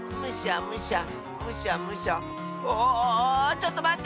ちょっとまって！